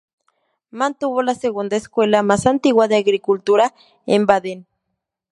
Mantuvo la segunda escuela más antigua de agricultura en Baden.